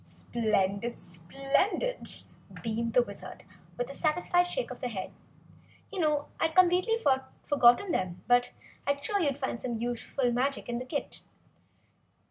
"Splendid! Splendid!" beamed the Wizard, with a satisfied shake of his head. "You know I'd completely forgotten them, but I felt sure you'd find some useful magic in the kit.